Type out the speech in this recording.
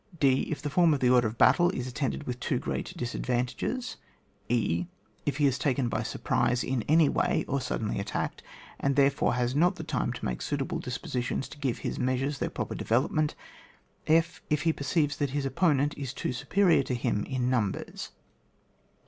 d. If the form of the order of battle is attended with too great disadvantages. e. If he is taken by surprise in any way, or suddenly attacked, and therefore has not time to make suitable dispositions to give his measures their proper development. /. If he perceives that his oppo nent is too superior to him in numbers.